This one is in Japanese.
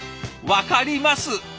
分かります！